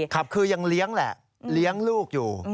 ครับคือยังเลี้ยงแหละเลี้ยงลูกอยู่